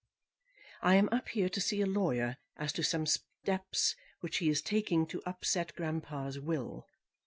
I am up here to see a lawyer as to some steps which he is taking to upset grandpapa's will.